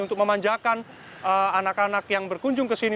untuk memanjakan anak anak yang berkunjung ke sini